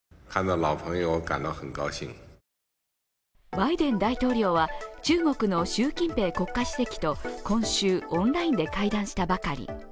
バイデン大統領は中国の習近平国家主席と今週、オンラインで会談したばかり。